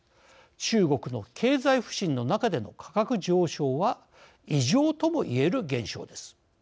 中国の経済不振の中での価格上昇は異常とも言える現象です。